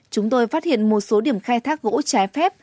chúng tôi phát hiện một số điểm khai thác gỗ trái phép